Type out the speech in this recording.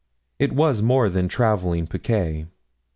It was more than travelling picquet.